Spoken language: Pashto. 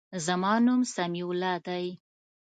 زما نوم سمیع الله دی.